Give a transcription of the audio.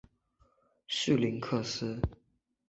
绪林克斯。